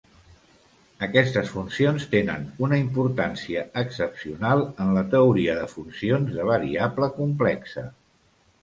Aquestes funcions tenen una importància excepcional en la teoria de funcions de variable complexa.